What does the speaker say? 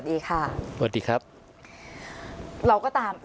อันดับที่สุดท้าย